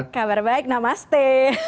kabar baik namaste